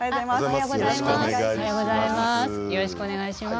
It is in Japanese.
よろしくお願いします。